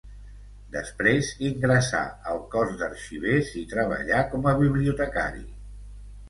Després ingressà al Cos d'Arxivers i treballà com a bibliotecari.